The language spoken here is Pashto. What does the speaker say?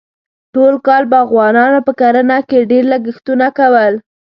ټول کال باغوانانو په کرنه کې ډېر لګښتونه کول.